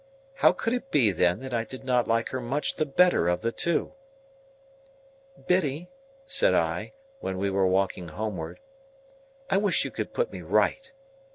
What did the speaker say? How could it be, then, that I did not like her much the better of the two? "Biddy," said I, when we were walking homeward, "I wish you could put me right."